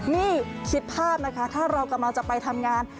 นี่คิดภาพนะคะถ้าเรากำลังจะไปทำงาน